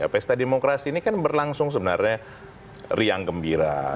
pesta demokrasi ini kan berlangsung sebenarnya riang gembira